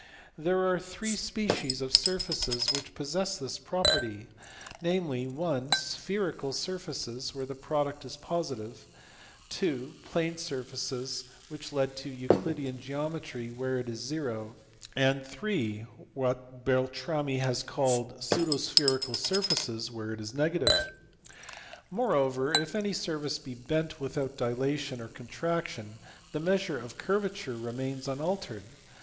There are three species of surfaces which possess this property : namely, (i) spherical surfaces, where the product is positive ; (ii) plane surfaces (which lead to Euclidean geometry), where it is zero ; and (iii) what Beltrami has called pseudo spherical surfaces, where it is negative. Moreover, if any surface be bent without dilation or contraction, the measure of curvature remains unaltered.